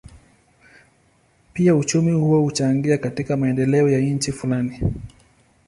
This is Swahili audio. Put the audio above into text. Pia uchumi huo huchangia katika maendeleo ya nchi fulani.